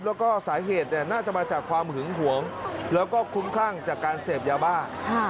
แล้วก็สาเหตุน่าจะมาจากความหึงหวงแล้วก็คุ้มคลั่งจากการเสพยาบ้า